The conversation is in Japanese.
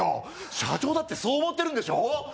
社長だってそう思ってるんでしょ？